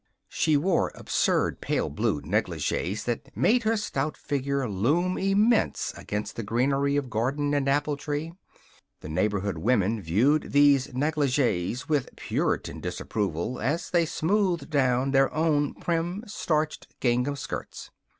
She wore absurd pale blue negligees that made her stout figure loom immense against the greenery of garden and apple tree. The neighborhood women viewed these negligees with Puritan disapproval as they smoothed down their own prim, starched gingham skirts.